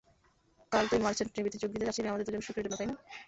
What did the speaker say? কাল তুই মার্চেন্ট নেভিতে যোগ দিতে চাচ্ছিলি আমাদের দুজনের সুখের জন্য, তাইনা?